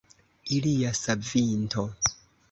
Ilia savinto!